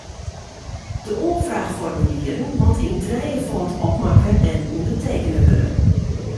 De oanfraachformulieren moatte yn trijefâld opmakke en ûndertekene wurde.